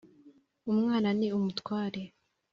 Umwana ni umutware.